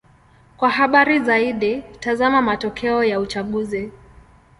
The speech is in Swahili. Kwa habari zaidi: tazama matokeo ya uchaguzi.